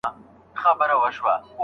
آیا عقل تر احساس باوري دی؟